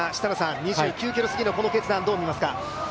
２９ｋｍ過ぎの決断をどう見ますか？